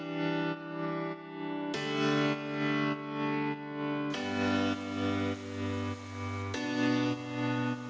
dia sering mengalahkan